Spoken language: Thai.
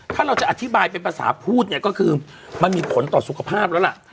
ถ้าเราจะอธิบายเป็นภาษาพูดเนี่ยก็คือมันมีผลต่อสุขภาพแล้วล่ะ